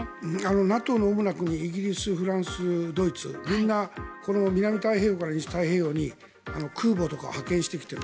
ＮＡＴＯの主な国イギリス、フランス、ドイツみんな、これの南太平洋から西太平洋に空母とかを派遣してきている。